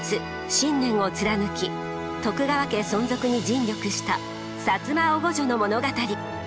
信念を貫き徳川家存続に尽力した摩おごじょの物語。